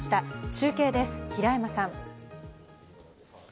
中継です、平山さん。